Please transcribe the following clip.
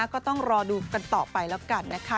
ก็ต้องรอดูกันต่อไปแล้วกันนะคะ